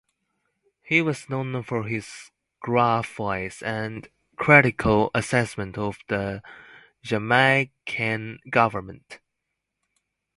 He was known for his gruff voice and critical assessment of the Jamaican government.